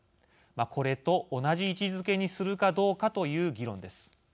これと同じ位置づけにするかどうかという議論です。